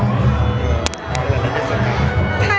เพราะว่าอะไรมันไม่สะกาย